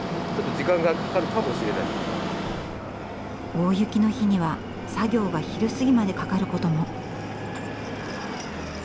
大雪の日には作業が昼過ぎまでかかることも。